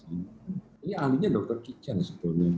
ini ahlinya dr kichen sebenarnya